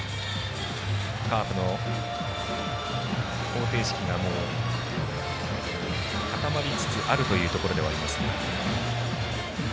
カープの方程式がもう固まりつつあるというところではありますが。